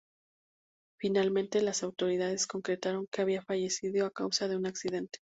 Finalmente, las autoridades concretaron que había fallecido a causa de un accidente.